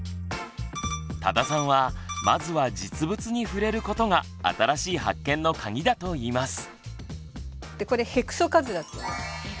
多田さんはまずは実物に触れることが新しい発見のカギだといいます。